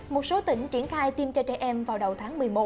một số tỉnh triển khai tiêm cho trẻ em vào đầu tháng một mươi một